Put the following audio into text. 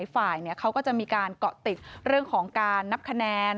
ฝ่ายเขาก็จะมีการเกาะติดเรื่องของการนับคะแนน